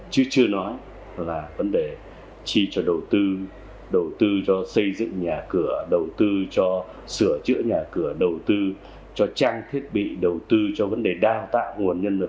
chứ chưa nói là vấn đề chi cho đầu tư đầu tư cho xây dựng nhà cửa đầu tư cho sửa chữa nhà cửa đầu tư cho trang thiết bị đầu tư cho vấn đề đào tạo nguồn nhân lực